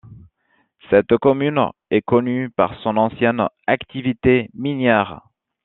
Cette commune est connue par son ancienne activité minière.